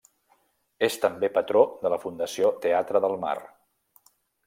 És també patró de la Fundació Teatre del Mar.